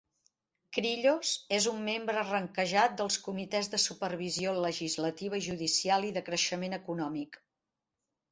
Kyrillos és un membre ranquejat dels comitès de supervisió legislativa i judicial i de creixement econòmic.